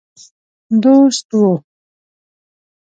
دوست وو.